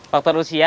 faktor usia ya